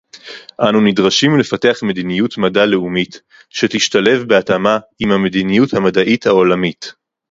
אנו נדרשים לפתח מדיניות מדע לאומית שתשתלב בהתאמה עם המדיניות המדעית העולמית